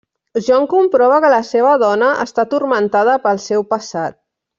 John comprova que la seva dona està turmentada pel seu passat.